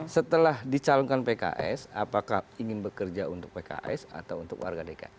setelah dicalonkan pks apakah ingin bekerja untuk pks atau untuk warga dki